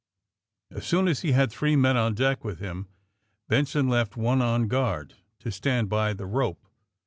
As soon as he had three men on deck with him Benson left one on guard to stand by the rope.